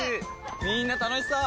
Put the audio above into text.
みんな楽しそう！